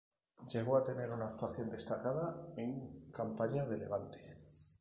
Llegó a tener una actuación destacada en campaña de Levante.